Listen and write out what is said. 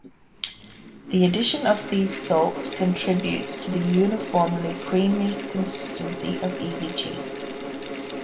The addition of these salts contributes to the uniformly creamy consistency of Easy Cheese.